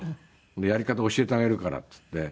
「やり方教えてあげるから」っつって。